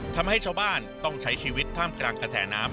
ทำให้ชาวบ้านต้องใช้ชีวิตท่ามกลางกระแสน้ำ